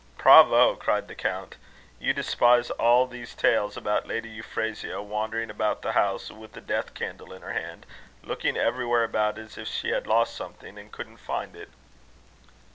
'" "Bravo!" cried the count. "You despise all these tales about Lady Euphrasia, wandering about the house with a death candle in her hand, looking everywhere about as if she had lost something, and couldn't find it?"